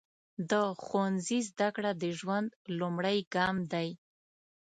د ښوونځي زده کړه د ژوند لومړی ګام دی.